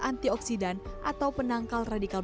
antioksidan atau penangkal radikal